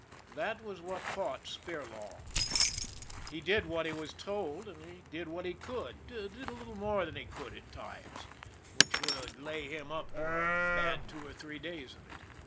That was what caught Spirlaw. He did what he was told, and he did what he could did a little more than THE BUILDER 131 he could at times, which would lay him up for a bad two or three days of it.